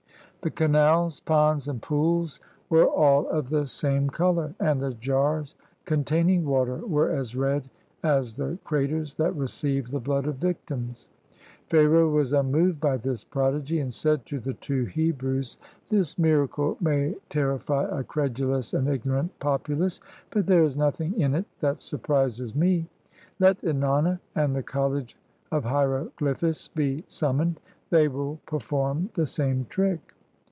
The canals, ponds, and pools were all of the same color, and the jars containing water were as red as the craters that receive the blood of victims. Pharaoh was immoved by this prodigy, and said to the two Hebrews, — "This miracle may terrify a credulous and ignorant populace, but there is nothing in it that surprises me. Let Ennana and the college of hieroglyphists be sum moned: they will perform the same trick."